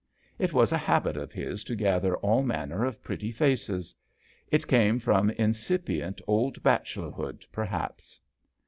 It was a habit of his to gather all manner of pretty faces. It came from incipient old bachelor hood, perhaps.